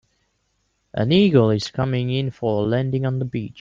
An eagle is coming in for a landing on the beach.